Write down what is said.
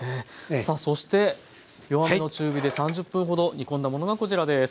さあそして弱めの中火で３０分ほど煮込んだものがこちらです。